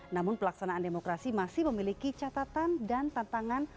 namun pelaksanaan demokrasi masih memiliki catatan dan tantangan